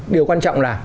điều quan trọng là